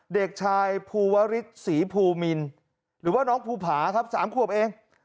เด็กชายภูวริสศรีภูมินหรือว่าน้องภูผาครับ๓ขวบเอง